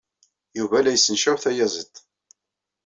Yuba la yessencaw tayaziḍt.